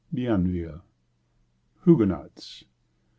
Bienville. Huguenots.